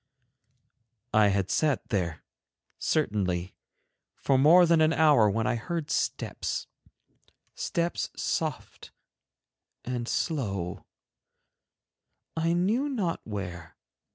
I had sat there, certainly, for more than an hour when I heard steps, steps soft and slow, I knew not where.